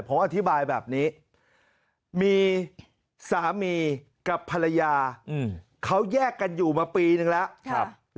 ผมอธิบายแบบนี้มีสามีกับภรรยาเขาแยกกันอยู่มาปีนึงแล้ว